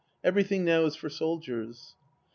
Everything now is for soldiers. .